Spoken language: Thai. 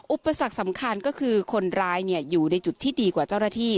อุปสรรคสำคัญก็คือคนร้ายอยู่ในจุดที่ดีกว่าเจ้าหน้าที่